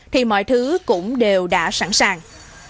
thì mọi thứ cũng đều đã sẵn sàng